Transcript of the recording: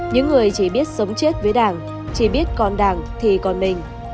những người chỉ biết sống chết với đảng chỉ biết còn đảng thì còn mình